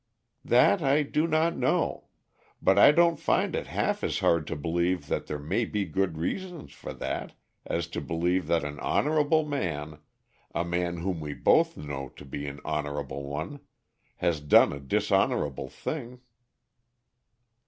"That I do not know; but I don't find it half as hard to believe that there may be good reasons for that, as to believe that an honorable man a man whom we both know to be an honorable one has done a dishonorable thing."